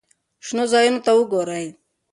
شنو ځایونو ته وګورئ.